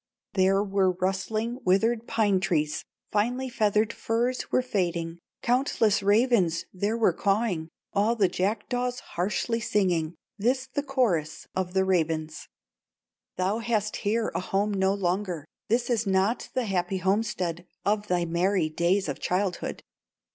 "There were rustling withered pine trees, Finely feathered firs were fading, Countless ravens there were cawing, All the jackdaws harshly singing, This the chorus of the ravens: 'Thou hast here a home no longer, This is not the happy homestead Of thy merry days of childhood.